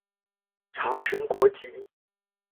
查詢國籍